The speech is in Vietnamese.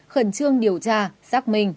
khẩn trương điều tra xác minh